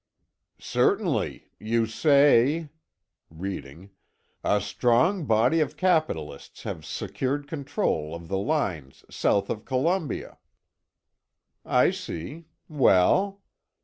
"Certainly; you say," reading, "'a strong body of capitalists have secured control of the lines south of Columbia.'" "I see. Well?"